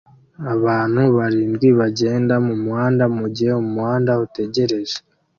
Abantu barindwi bagenda mumuhanda mugihe umuhanda utegereje